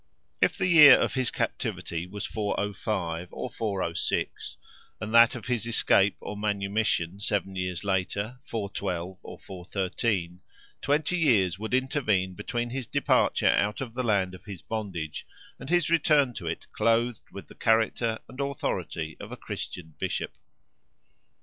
If the year of his captivity was 405 or 406, and that of his escape or manumission seven years later (412 or 413), twenty years would intervene between his departure out of the land of his bondage, and his return to it clothed with the character and authority of a Christian Bishop.